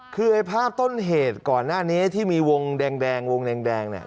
คือภาพต้นเหตุก่อนหน้านี้ที่มีวงแดงนี่